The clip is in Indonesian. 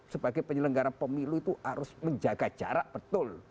sebagai penyelenggara pemilu itu harus menjaga jarak betul